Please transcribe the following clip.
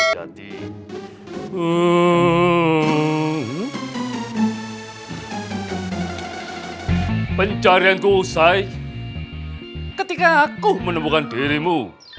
jadi pencarianku selesai ketika aku menemukan dirimu